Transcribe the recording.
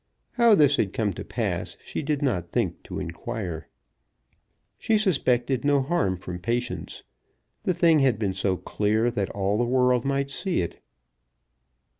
How this had come to pass she did not think to inquire. She suspected no harm from Patience. The thing had been so clear, that all the world might see it.